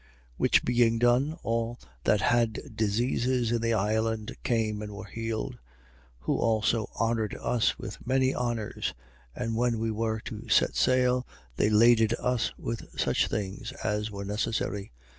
28:9. Which being done, all that had diseases in the island came and were healed. 28:10. Who also honoured us with many honours: and when we were to set sail, they laded us with such things as were necessary.